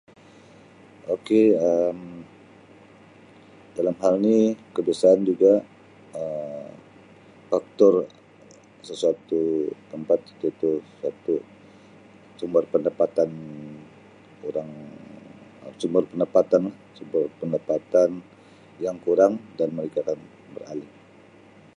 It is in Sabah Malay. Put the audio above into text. Okay Um dalam hal ni kebiasaan juga Um faktor sesuatu tempat tu-tu satu sumber pendapatan durang, sumber pendapatan lah, sumber pendapatan yang kurang dan kemudian mereka akan beralih.